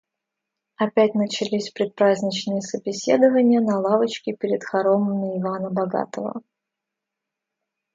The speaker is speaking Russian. Опять начались предпраздничные собеседования на лавочке перед хоромами Ивана Богатого